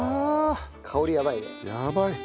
香りやばいね。